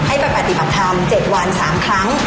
ให้ไปปฏิบัติธรรม๗วัน๓ครั้ง